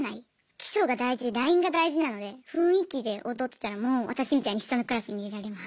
基礎が大事ラインが大事なので雰囲気で踊ってたらもう私みたいに下のクラスに入れられます。